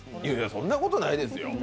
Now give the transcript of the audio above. そんなことないですよ。